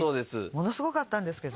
ものすごかったんですけど。